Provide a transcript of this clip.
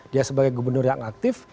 dia sebagai gubernur yang aktif